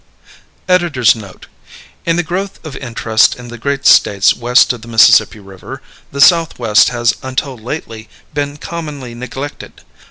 EDITOR'S NOTE. In the growth of interest in the great States west of the Mississippi River the Southwest has until lately been commonly neglected.